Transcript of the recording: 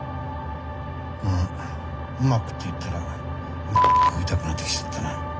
あっ「うまく」って言ったら食いたくなってきちゃったな。